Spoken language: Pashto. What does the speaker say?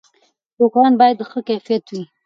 ټوکران باید د ښه کیفیت وي.